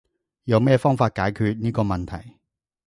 有乜方式解決呢個問題？